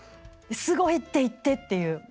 「すごい！」って言って！っていう。